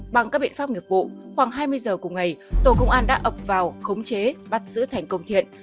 bằng các biện pháp nghiệp vụ khoảng hai mươi giờ cùng ngày tổ công an đã ập vào khống chế bắt giữ thành công thiện